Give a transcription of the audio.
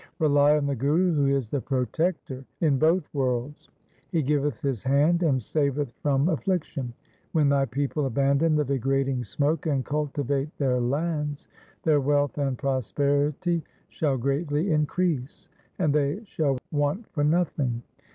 Rely on the Guru who is the protector in both worlds. He giveth his hand and saveth from affliction. When thy people abandon the degrading smoke and cultivate their lands, their wealth and LIFE OF GURU TEG BAHADUR 343 prosperity shall greatly increase, and they shall want for nothing.